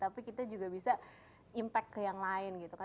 tapi kita juga bisa impact ke yang lain gitu kan